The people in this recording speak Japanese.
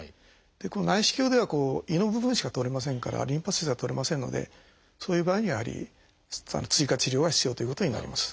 この内視鏡では胃の部分しか取れませんからリンパ節は取れませんのでそういう場合にはやはり追加治療は必要ということになります。